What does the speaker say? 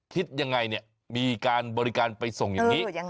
คิดยังไงเนี่ยมีการบริการไปส่งอย่างนี้